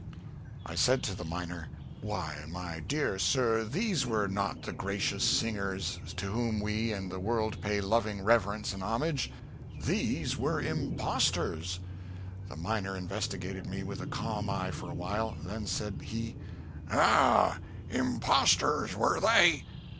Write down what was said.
I said to the miner, "Why, my dear sir, these were not the gracious singers to whom we and the world pay loving reverence and homage; these were impostors." The miner investigated me with a calm eye for a while; then said he, "Ah! impostors, were they?